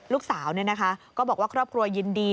ลูกสาวก็บอกว่าครอบครัวยินดี